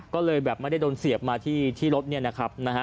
ก็เลยแบบไม่ได้โดนเสียบมาที่รถเนี่ยนะครับนะฮะ